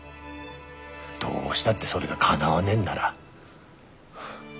どうしたってそれがかなわねえんなら。